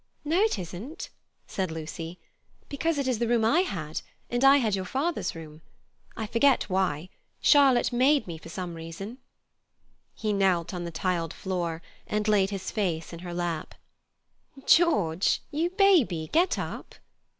"No, it isn't," said Lucy; "because it is the room I had, and I had your father's room. I forget why; Charlotte made me, for some reason." He knelt on the tiled floor, and laid his face in her lap. "George, you baby, get up."